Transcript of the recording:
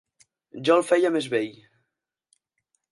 Jo el feia més vell.